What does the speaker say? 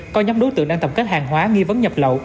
có nhóm đối tượng đang tập kết hàng hóa nghi vấn nhập lậu